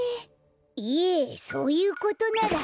いえそういうことなら。